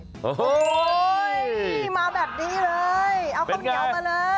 โอ้โหมาแบบนี้เลยเอาข้าวเหนียวมาเลย